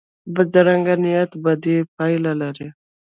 بدرنګه نیت بدې پایلې لري